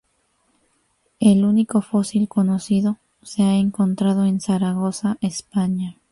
El único fósil conocido se ha encontrado en Zaragoza, España.